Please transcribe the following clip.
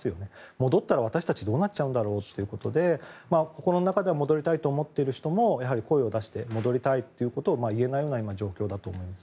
戻ったら私たちどうなっちゃうんだろうということで心の中では戻りたいと思っている人もやはり声を出して戻りたいということを言えないような状況だと思います。